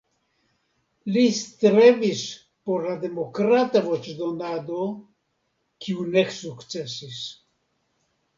Li strebis por la demokrata voĉdonado, kiu ne sukcesis.